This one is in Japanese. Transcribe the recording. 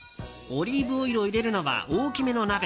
オリーブオイルを入れるのは大きめの鍋。